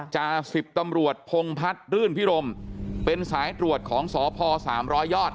จาสิบตำรวจพงพัฒน์รื่นพิรมเป็นสายตรวจของสพ๓๐๐ยอด